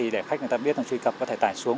để khách người ta biết rằng truy cập có thể tải xuống